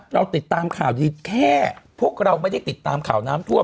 เราติดตามข่าวดีแค่พวกเราไม่ได้ติดตามข่าวน้ำท่วม